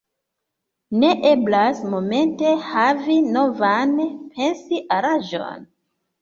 Ne eblas momente havi novan pensi-aranĝon.